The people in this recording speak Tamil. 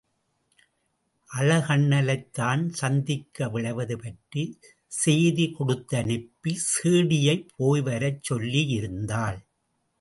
அழகண்ணலைத் தான் சந்திக்க விழைவது பற்றிச் சேதி கொடுத்தனுப்பி சேடியைப் போய்வரச் சொல்லியிருந்தாள்.